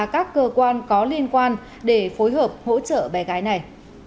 có liên quan để phối hợp hỗ trợ bé gái này